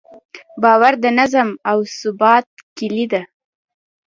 باور د نظم او ثبات کیلي ده.